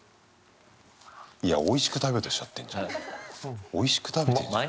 いや、おいしく食べようとしちゃってんじゃん。おいしく食べてんじゃん。